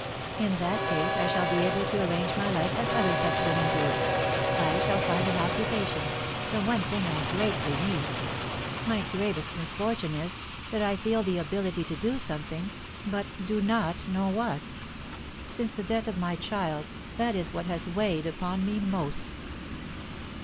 "In that case, I shall be able to arrange my life as other such women do. I shall find occupation, the one thing I greatly need. My gravest misfortune is, that I feel the ability to do something, but do not know what. Since the death of my child, that is what has weighed upon me most."